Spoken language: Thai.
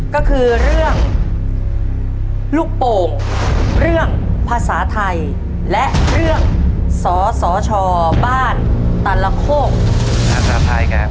ก็คือเรื่องลูกโป่งเรื่องภาษาไทยและเรื่องสสชบ้านตลโคกภาษาไทยครับ